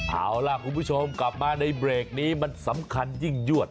เอาล่ะคุณผู้ชมกลับมาในเบรกนี้มันสำคัญยิ่งยวด